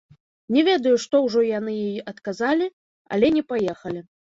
Не ведаю, што ўжо яны ёй адказалі, але не паехалі.